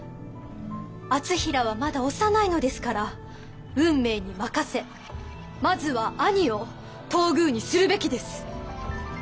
敦成はまだ幼いのですから運命に任せまずは兄を東宮にするべきです。